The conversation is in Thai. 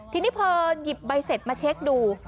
ทีนี้พอหยิบใบเสร็จมาเช็คดู